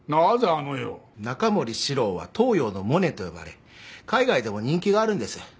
中森司郎は東洋のモネと呼ばれ海外でも人気があるんです。